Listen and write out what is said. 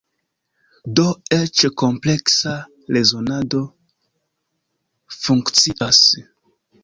Do eĉ kompleksa rezonado funkcias.